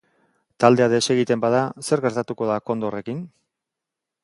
Taldea desegiten bada, zer gertatuko da kondorrekin?